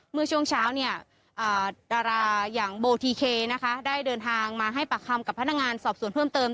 เมื่อช่วงเช้าเนี่ยดาราอย่างโบทีเคนะคะได้เดินทางมาให้ปากคำกับพนักงานสอบสวนเพิ่มเติม